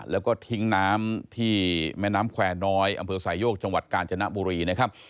แล้วก็ทิ้งน้ำที่แม่น้ำแควร์น้อยอำเภอสายโยกจังหวัดกาญจนบุรีนะครับ